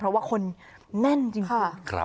เพราะว่าคนแน่นใช่มั้ยค่ะค่ะ